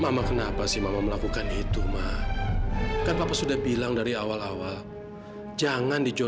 tapi kenapa dia belum sampai juga ya